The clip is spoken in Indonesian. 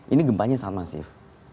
ini gempanya sangat masif